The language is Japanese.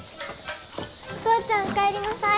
お父ちゃんお帰りなさい！